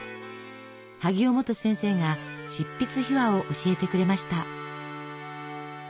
萩尾望都先生が執筆秘話を教えてくれました。